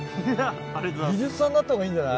技術さんなったほうがいいんじゃない？